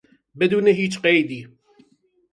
بدون هیچ قیدی